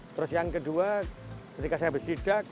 terus yang kedua ketika saya bersidak